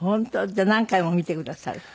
じゃあ何回も見てくださる？